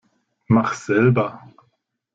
Mach selber!